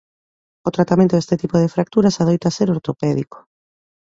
O tratamento deste tipo de fracturas adoita ser ortopédico.